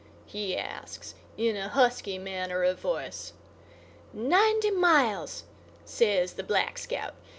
he asks, in a husky manner of voice. "Ninety miles," says the Black Scout.